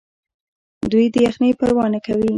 دوی د یخنۍ پروا نه کوي.